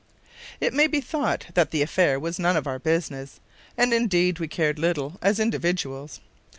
It may be thought that the affair was none of our business; and indeed we cared little as individuals.